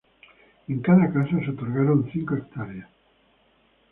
En cada caso se otorgaron cinco hectáreas.